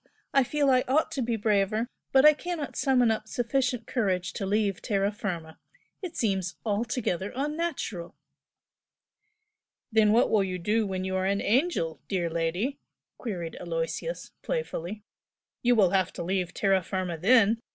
I feel I ought to be braver but I cannot summon up sufficient courage to leave terra firma. It seems altogether unnatural." "Then what will you do when you are an angel, dear lady?" queried Aloysius, playfully "You will have to leave terra firma then!